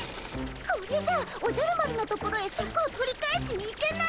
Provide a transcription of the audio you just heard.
これじゃおじゃる丸のところへシャクを取り返しに行けないよ。